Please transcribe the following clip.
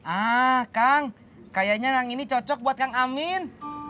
ah kang kayaknya yang ini cocok buat kang amin